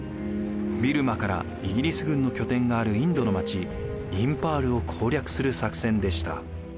ビルマからイギリス軍の拠点があるインドの町インパールを攻略する作戦でした。